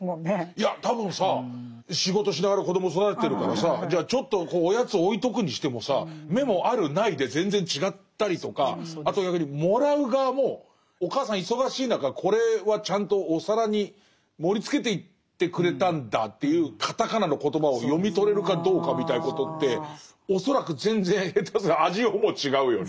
いや多分さ仕事しながら子ども育ててるからさじゃあちょっとおやつ置いとくにしてもさメモあるないで全然違ったりとかあとやはりもらう側もお母さん忙しい中これはちゃんとお皿に盛りつけていってくれたんだというカタカナのコトバを読み取れるかどうかみたいなことって恐らく全然下手すりゃ味をも違うよね。